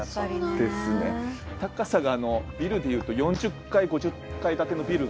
高さがビルで言うと４０階５０階建てのビルが。